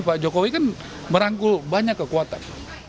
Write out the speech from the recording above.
pak jokowi kan merangkul banyak kekuatan